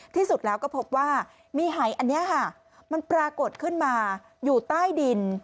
ที่สุดแล้วก็พบว่ามีหายอันนี้ค่ะมันปรากฏขึ้นมาอยู่ใต้ดิน